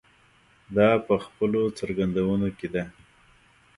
دا په خپلو څرګندونو کې ده.